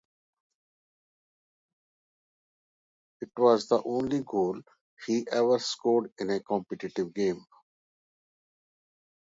It was the only goal he ever scored in a competitive game.